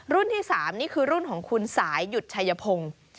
ที่๓นี่คือรุ่นของคุณสายหยุดชายพงศ์